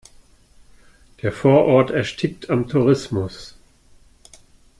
Der Vorort erstickt am Tourismus.